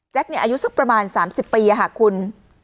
แจ๊กเนี่ยอายุสักประมาณ๓๐ปีคุณ